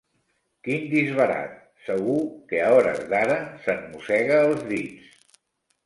Quin disbarat: segur que a hores d'ara se'n mossega els dits!